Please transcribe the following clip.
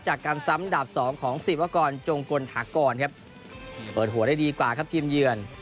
จากการซ้ำดาบสองของสิบวกรจงกลถากรครับเปิดหัวได้ดีกว่าครับทีมเยือน